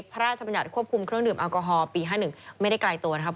พระราชบัญญัติควบคุมเครื่องดื่มแอลกอฮอลปี๕๑ไม่ได้ไกลตัวนะครับ